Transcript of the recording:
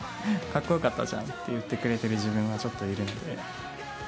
かっこよかったじゃんって言ってくれてる自分がちょっといるので。